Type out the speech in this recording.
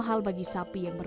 tapi kita sudah have